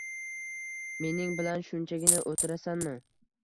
Mening bilan shunchagina o'tirasanmi?